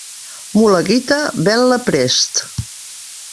Mula guita, ven-la prest.